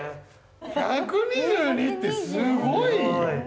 １２２ってすごいよ！